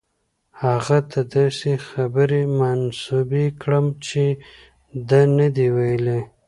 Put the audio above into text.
هغه ته داسې خبرې منسوبې کړم چې ده نه دي ویلي.